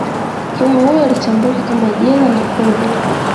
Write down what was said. kiumbe huyo alitambulika kama jila la kuvu